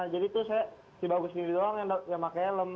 jadi itu saya si bagus ini doang yang pakai helm